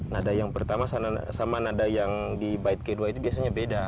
nada yang pertama sama nada yang di bait k dua itu biasanya beda